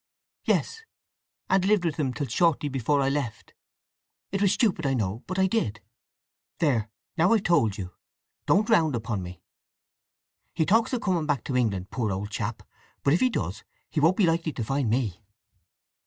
"Yes. And lived with him till shortly before I left. It was stupid, I know; but I did! There, now I've told you. Don't round upon me! He talks of coming back to England, poor old chap. But if he does, he won't be likely to find me."